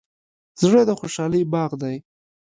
زړه د خوشحالۍ باغ دی.